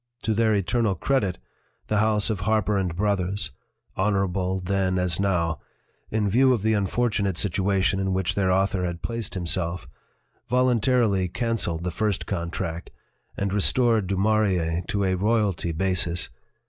To their eternal credit, the house of Harper & Brothers honorable then as now in view of the unfortu nate situation in which their author had placed himself, voluntarily canceled the first contract and restored Du Maurier to a royalty basis.